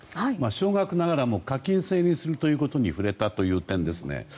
少額ながらも課金制にするということに触れたという点ですね。